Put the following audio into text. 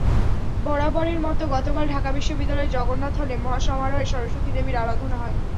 বরাবরের মতো গতকাল ঢাকা বিশ্ববিদ্যালয়ের জগন্নাথ হলে মহাসমারোহে সরস্বতী দেবীর আরাধনা হয়।